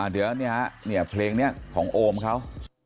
เดี๋ยวเพลงนี้ของโอมเขา